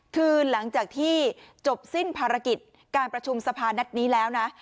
คือหลังจากที่จบสิ้นภารกิจการประชุมสภานัดนี้แล้วนะ